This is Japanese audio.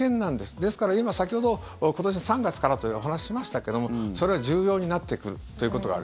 ですから今、先ほど今年３月からというお話ししましたけどもそれは重要になってくるということがある。